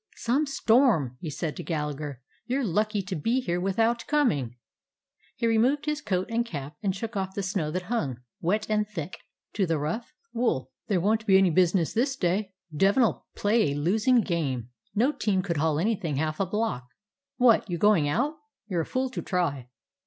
"Some storm!" he said to Gallagher. "You 're lucky to be here without coming." He removed his coat and cap and shook off the snow that hung, wet and thick, to the rough 154 A BROOKLYN DOG wool. "There won't be any business this day. Devin 'll play a losin' game. No team could haul anything half a block. What, you going out? You 're a fool to try."